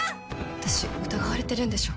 私疑われてるんでしょ？